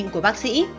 của bác sĩ